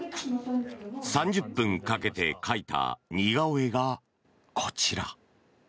３０分かけて描いた似顔絵がこちら。